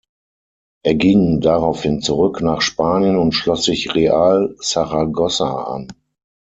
Er ging daraufhin zurück nach Spanien und schloss sich Real Saragossa an.